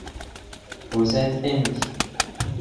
vous êtes aimé.